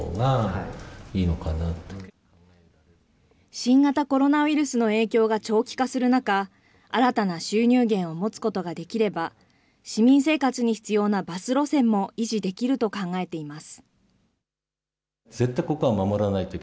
新型コロナウイルスの影響が長期化する中、新たな収入源を持つことができれば、市民生活に必要なバス路線も維持できると考えています。